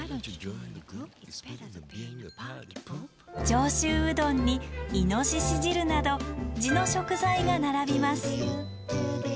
上州うどんにイノシシ汁など地の食材が並びます。